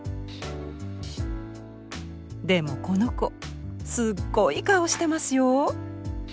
でもこの子すっごい顔してますよ。